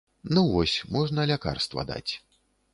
Ну, вось, можна лякарства даць.